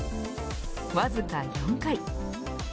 わずか４回。